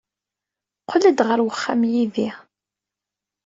Qqel-d ɣer wexxam yid-i.